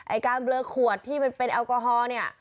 การเบลอขวดที่มันเป็นแอลกอฮอล์เนี่ย